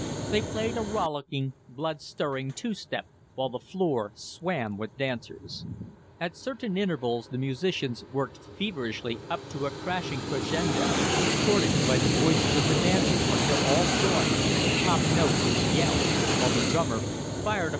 They played a rollicking, blood stirring two step, while the floor swam with dancers. At certain intervals the musicians worked feverishly up to a crashing crescendo, supported by the voices of the dancers, until all joined at the top note in a yell, while the drummer fired a